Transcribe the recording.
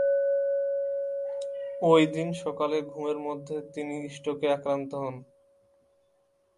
ঐদিন সকালে ঘুমের মধ্যে তিনি স্ট্রোকে আক্রান্ত হন।